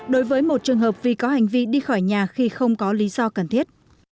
đối với một trường hợp vì có hành vi đi khỏi nhà khi không có lý do cần thiết